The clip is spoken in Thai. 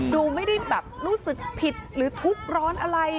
ดูไม่ได้แบบรู้สึกผิดหรือทุกข์ร้อนอะไร